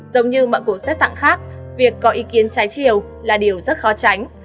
giống như mạng của xét tặng khác việc có ý kiến trái chiều là điều rất khó tránh